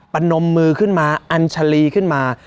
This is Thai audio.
นมมือขึ้นมาอัญชาลีขึ้นมา